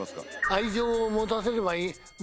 愛情を持たせればいい。